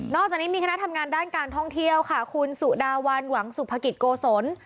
อกจากนี้มีคณะทำงานด้านการท่องเที่ยวค่ะคุณสุดาวันหวังสุภกิจโกศล